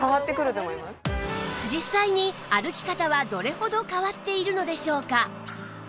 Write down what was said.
実際に歩き方はどれほど変わっているのでしょうか？